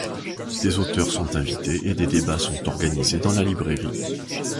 Des auteurs sont invités et des débats sont organisés dans la librairie.